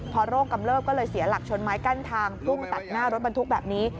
พอโรคกำเลิบก็เลยเสียหลักชนไม้กั้นทางพุ่งตัดหน้ารถบรรทุกแบบนี้